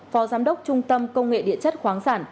phó giám đốc trung tâm công nghệ địa chất khoáng sản